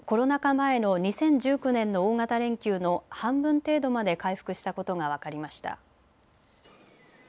前の２０１９年の大型連休の半分程度まで回復したことが分かりました。